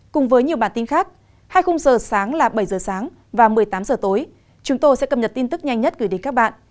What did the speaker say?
cùng với nhiều bản tin khác hai khung giờ sáng là bảy giờ sáng và một mươi tám h tối chúng tôi sẽ cập nhật tin tức nhanh nhất gửi đến các bạn